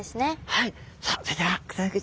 はい！